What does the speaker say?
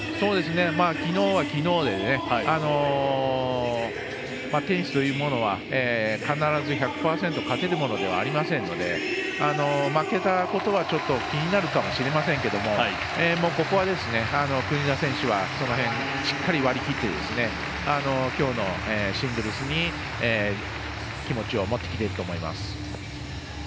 きのうはきのうでテニスというものは必ず１００％勝てるものではありませんので負けたことは気になるかもしれませんけどもここは国枝選手はしっかり割り切ってきょうのシングルスに気持ちを持ってきてると思います。